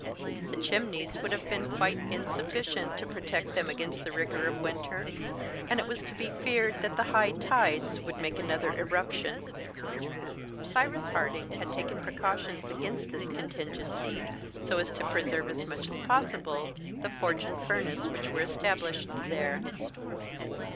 The Chimneys would have been quite insufficient to protect them against the rigor of winter, and it was to be feared that the high tides would make another irruption. Cyrus Harding had taken precautions against this contingency, so as to preserve as much as possible the forge and furnace which were established there.